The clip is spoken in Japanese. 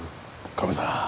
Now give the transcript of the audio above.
カメさん